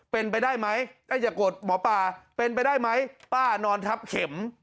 เป็นไปได้ไหมถ้าอย่าโกรธหมอปลาเป็นไปได้ไหมป้านอนทับเข็ม